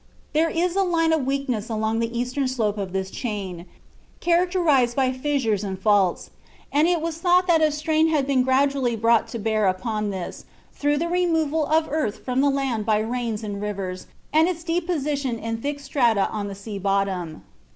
There is a line of weakness along the eastern slope of this chain, characterized by fissures and faults, and it was thought that a strain had been gradually brought to bear upon this through the removal of earth from the land by rains and rivers and its deposition in thick strata on the sea bottom.